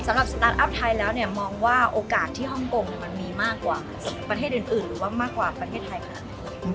สตาร์ทอัพไทยแล้วเนี่ยมองว่าโอกาสที่ฮ่องกงมันมีมากกว่าประเทศอื่นหรือว่ามากกว่าประเทศไทยค่ะ